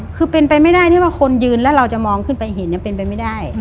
คือเป็นไปไม่ได้ที่ว่าคนยืนแล้วเราจะมองขึ้นไปเห็นเป็นไปไม่ได้